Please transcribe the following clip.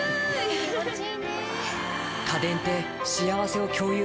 気持ちいい。